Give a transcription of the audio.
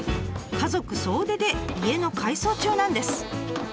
家族総出で家の改装中なんです。